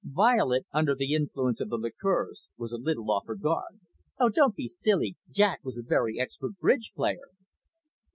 Violet, under the influence of the liqueurs, was a little off her guard. "Oh, don't be silly. Jack was a very expert bridge player."